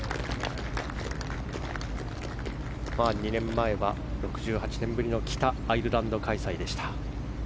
２年前は６８年ぶりの北アイルランド開催でした。